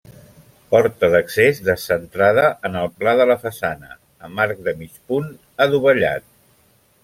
Porta d'accés, descentrada en el pla de la façana, amb arc de mig punt adovellat.